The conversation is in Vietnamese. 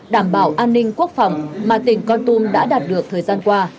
đảm bảo an ninh quốc phòng mà tỉnh con tum đã đạt được thời gian qua